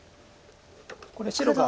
これ白が。